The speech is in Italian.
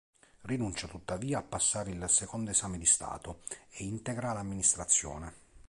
Rinuncia tuttavia a passare il secondo esame di stato e integra l'amministrazione.